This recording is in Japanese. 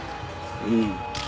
うん。